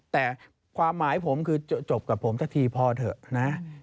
แต่ความหมายผมคือจบกับผมสักทีพอเถอะนะ